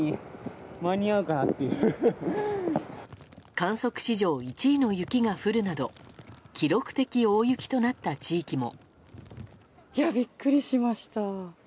観測史上１位の雪となるなど記録的大雪となった地域も。